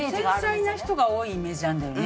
繊細な人が多いイメージあるんだよね